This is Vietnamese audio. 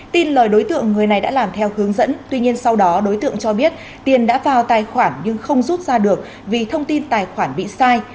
tin lời đối tượng người này đã làm theo hướng dẫn tuy nhiên sau đó đối tượng cho biết tiền đã vào tài khoản nhưng không rút ra được vì thông tin tài khoản bị sai